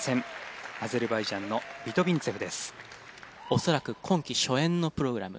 恐らく今季初演のプログラム。